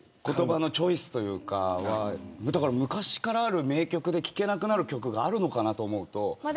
言葉のチョイスというかは昔からある名曲で聞けなくなる曲があるのかなと思うと。